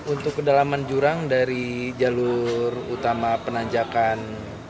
untuk kedalaman jurang dari jalur utama penanjakan